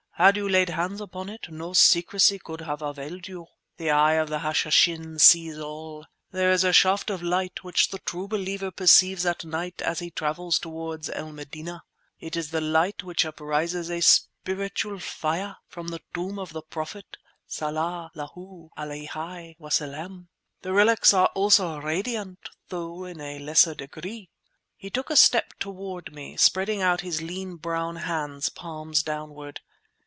Had you lain hands upon it, no secrecy could have availed you. The eye of the Hashishin sees all. There is a shaft of light which the true Believer perceives at night as he travels toward El Medineh. It is the light which uprises, a spiritual fire, from the tomb of the Prophet (Salla 'llahu 'aleyhi wasellem!). The relics also are radiant, though in a lesser degree." He took a step toward me, spreading out his lean brown hands, palms downward.